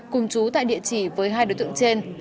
cùng chú tại địa chỉ với hai đối tượng trên